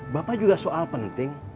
bapak juga soal penting